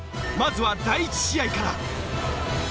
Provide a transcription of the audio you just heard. まずは第１試合から！